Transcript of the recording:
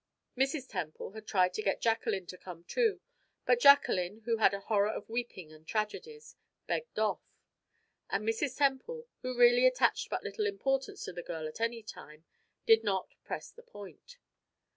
Mrs. Temple had tried to get Jacqueline to come, too, but Jacqueline, who had a horror of weeping and tragedies, begged off; and Mrs. Temple, who really attached but little importance to the girl at any time, did not press the point.